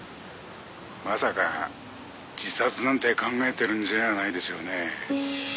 「まさか自殺なんて考えてるんじゃないでしょうね？」